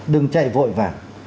đừng chạy vội vàng